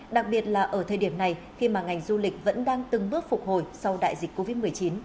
đặc biệt là ở thời điểm này khi mà ngành du lịch vẫn đang từng bước phục hồi sau đại dịch covid một mươi chín